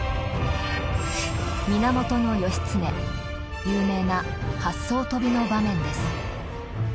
源義経有名な八艘飛びの場面です。